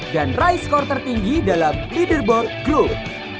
dan raise skor tertinggi dalam leaderboard group